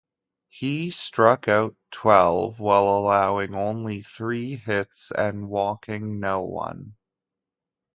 He struck out twelve, while allowing only three hits and walking no one.